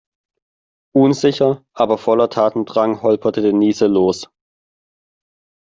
Unsicher, aber voller Tatendrang holperte Denise los.